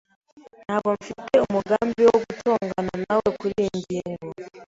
Ntabwo mfite umugambi wo gutongana nawe kuriyi ngingo.